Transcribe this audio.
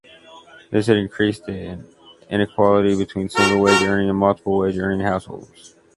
This had increased the inequality between single wage earning and multiple wage earning households.